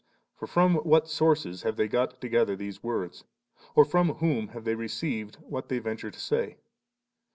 for from what sources have they got together these words? or from whom luive they received what they venture to say)